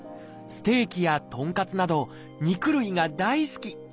ステーキや豚カツなど肉類が大好き。